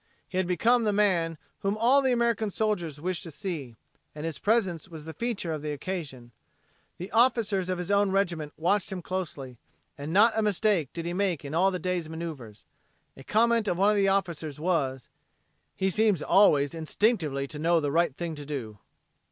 He had become the man whom all the American soldiers wished to see, and his presence was the feature of the occasion. The officers of his own regiment watched him closely, and not a mistake did he make in all the day's maneuvers. A comment of one of the officers was; "He seems always instinctively to know the right thing to do."